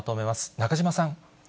中島さん。